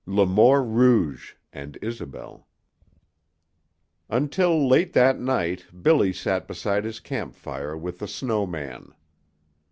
XV LE MORT ROUGE AND ISOBEL Until late that night Billy sat beside his campfire with the snow man.